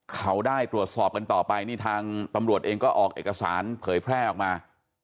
เขาได้ตรวจสอบกันต่อไปนี่ทางตำรวจเองก็ออกเอกสารเผยแพร่ออกมา